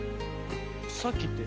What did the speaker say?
さっきって？